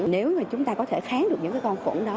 nếu mà chúng ta có thể kháng được những cái con khuẩn đó